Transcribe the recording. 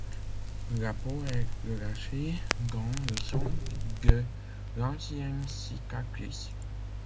La peau est relâchée dans le sens de l'ancienne cicatrice.